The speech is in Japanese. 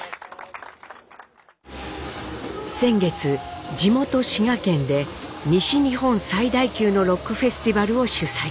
先月地元滋賀県で西日本最大級のロックフェスティバルを主催。